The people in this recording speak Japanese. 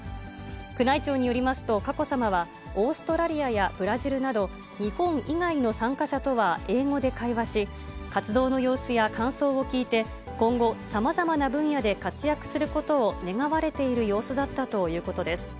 宮内庁によりますと、佳子さまは、オーストラリアやオーストラリアやブラジルなど、日本以外の参加者とは英語で会話し、活動の様子や感想を聞いて、今後、さまざまな分野で活躍することを願われている様子だったということです。